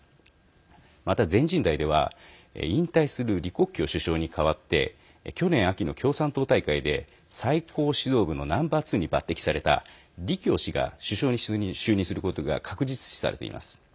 また全人代では引退する李克強首相に代わって去年秋の共産党大会で最高指導部のナンバーツーに抜てきされた李強氏が首相に就任することが確実視されています。